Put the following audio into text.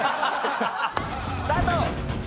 スタート！